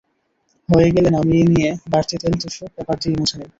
হয়ে গেলে নামিয়ে নিয়ে বাড়তি তেল টিস্যু পেপার দিয়ে মুছে নিন।